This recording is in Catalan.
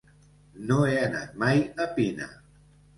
No he anat mai a Pina.